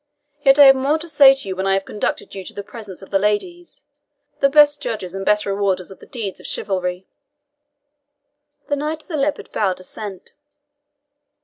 Yet I have more to say to you when I have conducted you to the presence of the ladies, the best judges and best rewarders of deeds of chivalry." The Knight of the Leopard bowed assent.